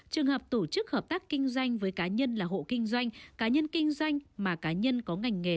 trường hợp tổ chức hợp tác kinh doanh với cá nhân là hộ kinh doanh cá nhân kinh doanh mà cá nhân có ngành nghề